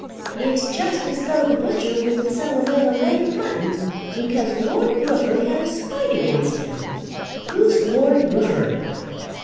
It's just as though the butcher wouldn't sell a man a leg of mutton because Lord Rufford had a spite against him. Who's Lord Rufford?"